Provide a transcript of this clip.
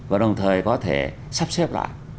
và đồng thời có thể sắp xếp lại